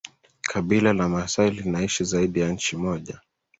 Kabila la Masai linaishi zaidi ya nchi moja